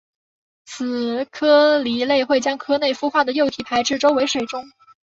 此科蜊类会将壳内孵化的幼体排至周围水中。